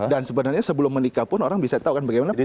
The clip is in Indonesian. dan sebenarnya sebelum menikah pun orang bisa tau bagaimana berlaku